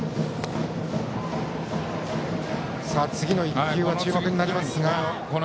次の１球が注目になります。